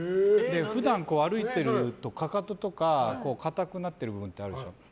普段歩いてるとかかととか硬くなってる部分あるでしょ。